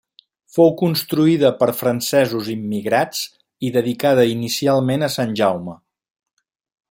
Fou construïda per francesos immigrats i dedicada inicialment a Sant Jaume.